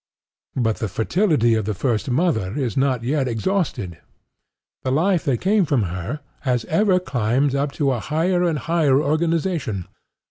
But the fertility of the First Mother is not yet exhausted. The life that came from her has ever climbed up to a higher and higher organization.